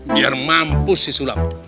biar mampus si sulap